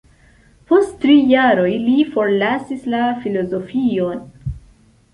Post tri jaroj li forlasis la filozofion.